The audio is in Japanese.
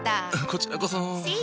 こちらこそ。